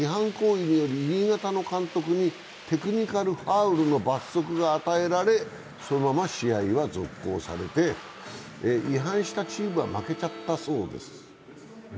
新潟の監督にテクニカルファウルの罰則が与えられ、そのまま試合は続行されて違反したチームは負けちゃったそうです。